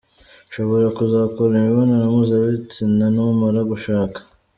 Ushobora kuzakora imibonano mpuzabitsina numara gushaka.